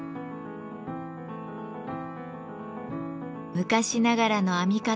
昔ながらの編み方を守る